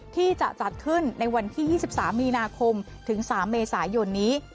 ที่จะจัดขึ้นในวันที่๒๓มีนาคมถึง๓เมษายนนี้